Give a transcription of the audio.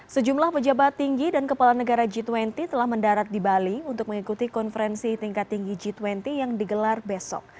sejumlah pejabat tinggi dan kepala negara g dua puluh telah mendarat di bali untuk mengikuti konferensi tingkat tinggi g dua puluh yang digelar besok